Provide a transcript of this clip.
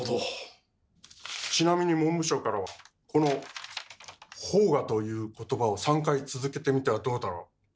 ちなみに文部省からはこの「奉賀」ということばを３回続けてみたらどうだろうと。